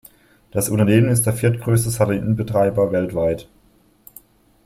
Das Unternehmen ist der viertgrößte Satellitenbetreiber weltweit.